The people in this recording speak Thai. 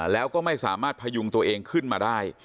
แล้วก็ไม่สามารถพยุงตัวเองขึ้นมาได้